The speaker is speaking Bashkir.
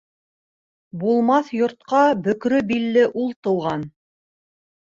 Булмаҫ йортҡа бөкрө билле ул тыуған.